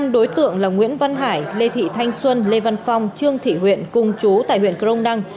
năm đối tượng là nguyễn văn hải lê thị thanh xuân lê văn phong trương thị huyện cùng chú tại huyện crong năng